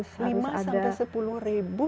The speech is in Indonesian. lima sampai sepuluh ribu